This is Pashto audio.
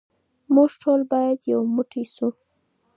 موږ ټول باید یو موټی شو.